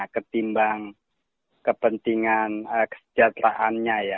ketimbang kepentingan kesejahteraannya ya